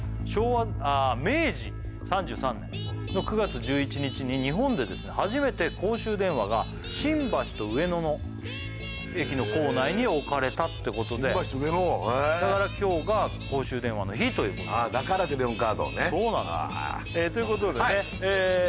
明治３３年の９月１１日に日本で初めて公衆電話が新橋と上野の駅の構内に置かれたってことでへえ新橋と上野へえだから今日が公衆電話の日ということなんですそうなんですということでねえ